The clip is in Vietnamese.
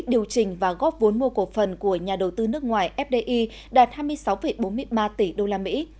điều chỉnh và góp vốn mua cổ phần của nhà đầu tư nước ngoài fdi đạt hai mươi sáu bốn mươi ba tỷ usd